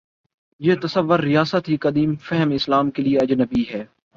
یہ تصور ریاست ہی قدیم فہم اسلام کے لیے اجنبی ہے۔